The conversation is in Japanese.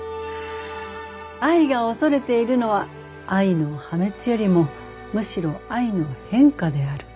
愛が恐れているのは愛の破滅よりもむしろ愛の変化である。